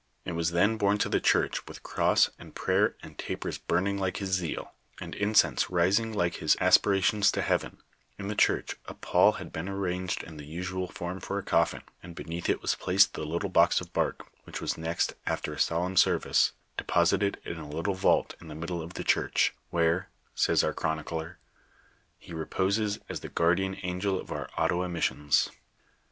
It was then borne to the church with cross, and prayer, and tapers burning like his zeal, and incense rising like his aspi rations to heaven ; in the church a pall had been arranged in the usual form for a coflin, and beneath it was placed the little box of bark, which was next, after a solemn service, deposited in a little vault in the middle of the church, " where," says our chronicler, " he reposes as the guardian angel of our Ottawa missions."